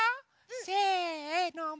せの。